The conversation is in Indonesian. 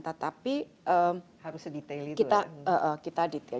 tetapi kita detail